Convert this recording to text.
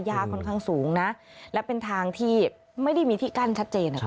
ค่อนข้างสูงนะและเป็นทางที่ไม่ได้มีที่กั้นชัดเจน